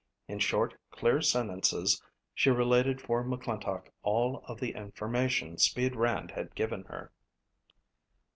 In short, clear sentences she related for McClintock all of the information "Speed" Rand had given her.